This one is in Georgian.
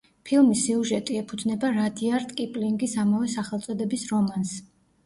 ფილმის სიუჟეტი ეფუძნება რადიარდ კიპლინგის ამავე სახელწოდების რომანს.